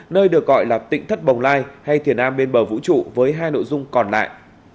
nơi được gọi là tịnh thất bồng lai hay thiền an bên bờ vũ trụ với hai nội dung còn lại